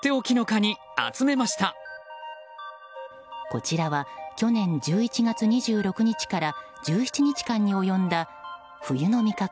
こちらは去年１１月２６日から１７日間に及んだ冬の味覚！